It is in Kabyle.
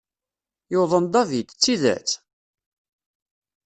Yuḍen David, d tidet?